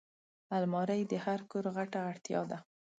الماري د هر کور غټه اړتیا ده